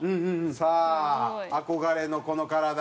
さあ憧れのこの体。